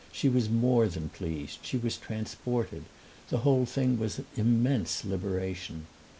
She was more than pleased, she was transported; the whole thing was an immense liberation.